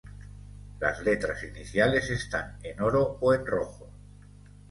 Las letras iniciales están en oro o en rojo.